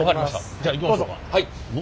じゃあ行きましょか。